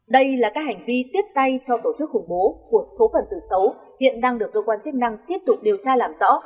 đây là các hành vi tiếp tay cho tổ chức khủng bố một số phần từ xấu hiện đang được cơ quan chức năng tiếp tục điều tra làm rõ